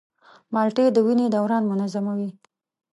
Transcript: مالټې د وینې دوران منظموي.